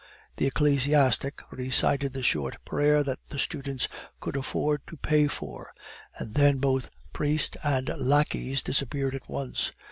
The ecclesiastic recited the short prayer that the students could afford to pay for, and then both priest and lackeys disappeared at once.